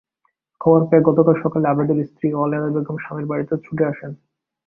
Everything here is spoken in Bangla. খবর পেয়ে গতকাল সকালে আবেদের স্ত্রী ওয়ালেদা বেগম স্বামীর বাড়িতে ছুটে আসেন।